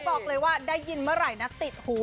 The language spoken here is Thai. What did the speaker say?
บอกเลยว่าได้ยินเมื่อไหร่นะติดหู